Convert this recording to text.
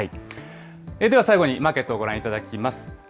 では最後にマーケットをご覧いただきます。